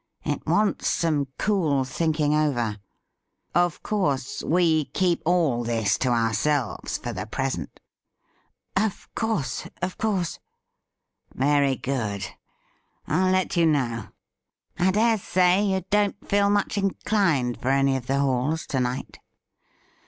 It wants some cool thinking over. Of course, we keep all this to ourselves for the present .'"' Of course — of course.' ' Very good. FIJ let you know. I dare say you don't feel much inclined for any of the halls to night